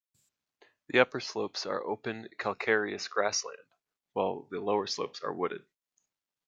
The upper slopes are open calcareous grassland, while the lower slopes are wooded.